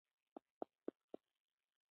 هغوی د کورنۍ خوښي زیاتوي.